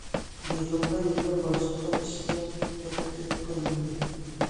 يىغىندا يەنە باشقا ئىشلار تەتقىق قىلىندى.